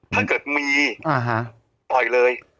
ถ้าเกิดเคยมีการปล่อยเลย